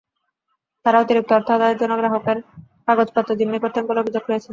তাঁরা অতিরিক্ত অর্থ আদায়ের জন্য গ্রাহকের কাগজপত্র জিম্মি করতেন বলে অভিযোগ রয়েছে।